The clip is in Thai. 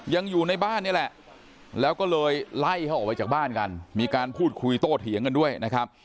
อยู่ในบ้านนี่แหละแล้วก็เลยไล่เขาออกไปจากบ้านกันมีการพูดคุยโต้เถียงกันด้วยนะครับ